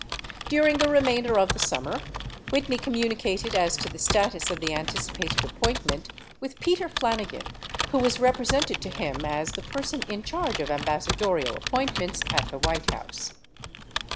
During the remainder of the summer, Whitney communicated as to the status of the anticipated appointment with Peter Flanigan who was repre sented to him as the person in charge of ambassadorial appointments at the White House.